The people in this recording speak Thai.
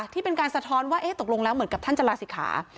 ที่เป็นการสะท้อนว่าตกลงแล้วเหมือนกับท่านจะลาศิกขา